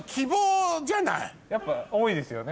やっぱ多いですよね。